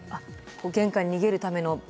玄関に逃げるための場所が？